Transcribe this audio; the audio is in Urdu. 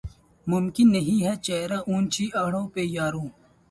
ممکن نہیں ہے پہرہ اونچی اڑاں پہ یارو